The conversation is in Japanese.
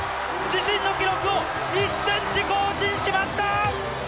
自身の記録を１ｃｍ更新しました。